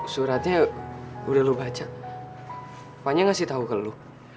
suratnya udah lu baca vanya ngasih tau ke lu